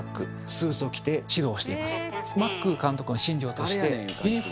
スーツを着て指導しています。